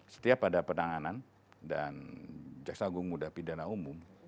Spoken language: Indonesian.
setiap ada penanganan dan jaksa agung muda pidana umum